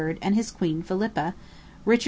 and his queen, Philippa, Richard II.